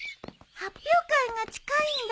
発表会が近いんだ。